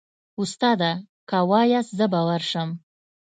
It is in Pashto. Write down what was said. استاده که واياست زه به ورسم.